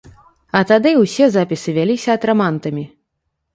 А тады ўсе запісы вяліся атрамантамі.